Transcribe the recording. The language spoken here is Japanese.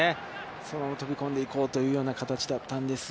そのまま飛び込んでいこうという形だったんですが。